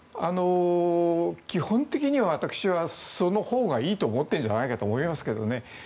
基本的には私はそのほうがいいと思ってるんじゃないかと思いますけどね。